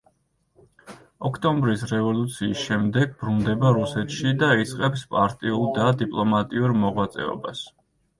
ოქტომბრის რევოლუციის შემდეგ ბრუნდება რუსეთში და იწყებს პარტიულ და დიპლომატიურ მოღვაწეობას.